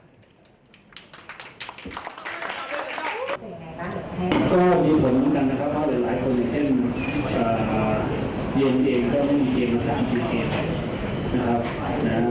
ก็มีผลเหมือนกันนะครับเพราะหลายคนอย่างเช่นเย็นก็ไม่มีเกมอีก๓๔เกมนะครับ